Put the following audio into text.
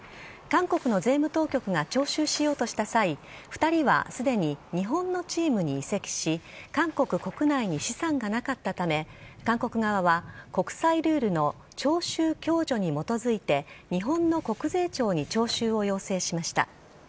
韓国の税務当局が徴収しようとした際２人はすでに日本のチームに移籍し韓国国内に資産がなかったため韓国側は国際ルールの徴収共助に基づいて日本の国税庁に徴収を要請しました。